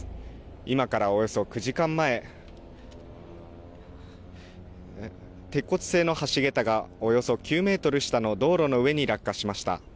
今からおよそ９時間前鉄骨製の橋桁がおよそ９メートル下の道路の上に落下しました。